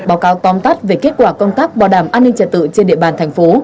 báo cáo tóm tắt về kết quả công tác bảo đảm an ninh trật tự trên địa bàn thành phố